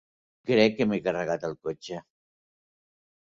Crec que m'he carregat el cotxe.